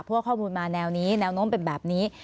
เพราะว่าข้อมูลมาแนวนี้แนวโน้มเป็นแบบนี้